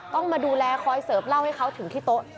ต้องมาดูแลคอยเสิร์ฟเหล้าให้เขาถึงที่โต๊ะ